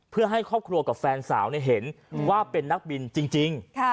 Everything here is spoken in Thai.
เพื่อให้ครอบครัวกับแฟนสาวเห็นว่าเป็นนักบินจริง